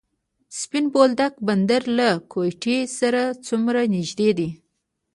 سپین بولدک بندر له کویټې سره څومره نږدې دی؟